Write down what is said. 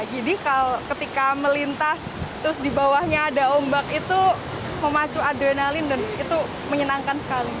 jadi kalau ketika melintas terus dibawahnya ada ombak itu memacu adrenalin dan itu menyenangkan sekali